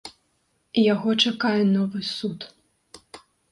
Яго чакае новы суд.